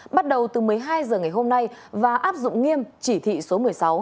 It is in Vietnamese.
bắt đầu từ một mươi hai h ngày hôm nay và áp dụng nghiêm chỉ thị số một mươi sáu